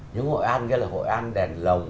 những hội an kia là hội an đèn lồng